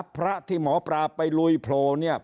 พระที่หมอปลาไปลุยโผล่เนี่ย